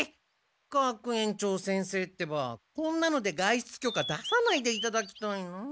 学園長先生ってばこんなので外出許可出さないでいただきたいなあ。